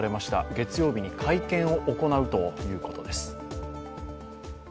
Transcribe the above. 月曜日に会見を行うということです。